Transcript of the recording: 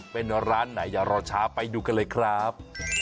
เป็นร้านไหนอย่ารอช้าไปดูกันเลยครับ